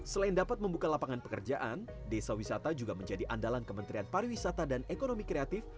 selain dapat membuka lapangan pekerjaan desa wisata juga menjadi andalan kementerian pariwisata dan ekonomi kreatif